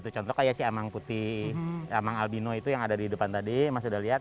contoh kayak si emang putih amang albino itu yang ada di depan tadi mas sudah lihat